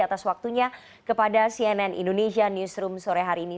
atas waktunya kepada cnn indonesia newsroom sore hari ini